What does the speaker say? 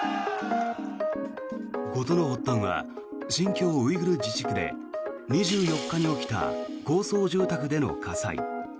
事の発端は新疆ウイグル自治区で２４日に起きた高層住宅での火災。